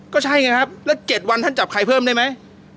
ก็ใช่ไงครับแล้ว๗วันท่านจับใครเพิ่มได้ไหม